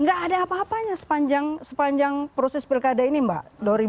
nggak ada apa apanya sepanjang proses pilkada ini mbak